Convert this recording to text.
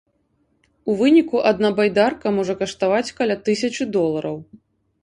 У выніку адна байдарка можа каштаваць каля тысячы долараў.